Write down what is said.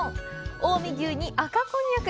近江牛に赤こんにゃく。